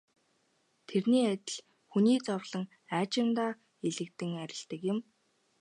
Тэрний адил хүний зовлон аажимдаа элэгдэн арилдаг юм.